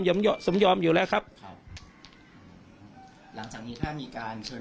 หลังจากนี้ถ้ามีการเชิญไปสอบปากคำที่ลงพรรค